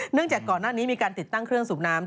จากก่อนหน้านี้มีการติดตั้งเครื่องสูบน้ำ